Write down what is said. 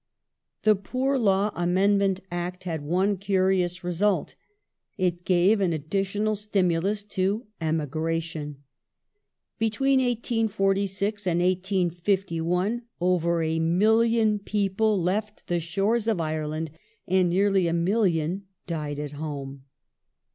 The Poor Law Amendment Act had one curious result. It gave an additional stimulus to emigration. Between 1846 and 1851 over a million people left the shores of Ireland, and nearly a million died at home.